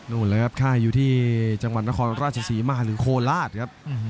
นั่นหมดแล้วครับค่ายอยู่ที่จังหวัดนครราชศรีมหาลุโคลาสครับ